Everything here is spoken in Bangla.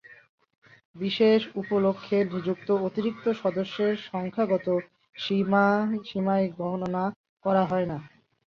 বিশেষ উপলক্ষে নিযুক্ত অতিরিক্ত সদস্যদের সংখ্যাগত সীমায় গণনা করা হয় না।